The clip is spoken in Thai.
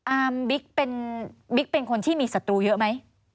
อามบิ๊กเป็นคนที่มีศัตรูเยอะไหม